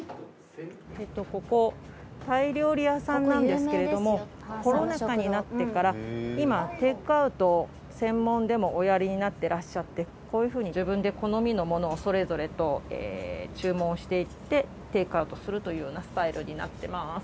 ここタイ料理屋さんなんですけれどもコロナ禍になってから今テイクアウト専門でもおやりになってらっしゃってこういうふうに自分で好みのものをそれぞれと注文をしていってテイクアウトするというようなスタイルになってます。